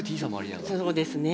そうですね。